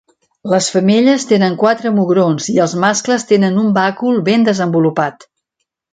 Les femelles tenen quatre mugrons i els mascles tenen un bàcul ben desenvolupat.